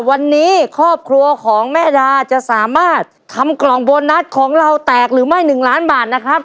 วันนี้ครอบครัวของแม่ดาจะสามารถทำกล่องโบนัสของเราแตกหรือไม่๑ล้านบาทนะครับ